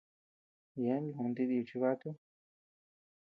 Yeabean lunti dibi chibatu.